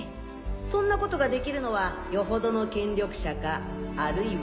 そんなことができるのはよほどの権力者かあるいは。